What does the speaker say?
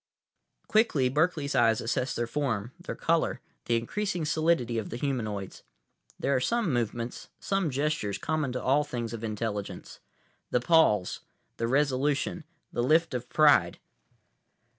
———— Quickly, Berkeley's eyes assessed their form, their color, the increasing solidity of the humanoids. There are some movements, some gestures, common to all things of intelligence—the pause, the resolution, the lift of pride.